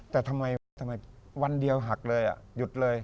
แต่ทำไมทำไมวันเดียวหักเลยอ่ะหยุดเลย